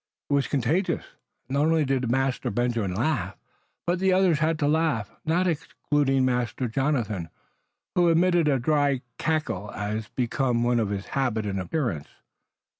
It was contagious. Not only did Master Benjamin laugh, but the others had to laugh, not excluding Master Jonathan, who emitted a dry cackle as became one of his habit and appearance.